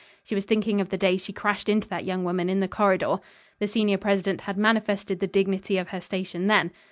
She was thinking of the day she crashed into that young woman, in the corridor. The senior president had manifested the dignity of her station then.